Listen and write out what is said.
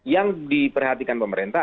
yang diperhatikan pemerintah